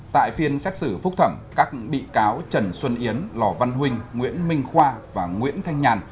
tại phiên xét xử phúc thẩm các bị cáo trần xuân yến lò văn huynh nguyễn minh khoa và nguyễn thanh nhàn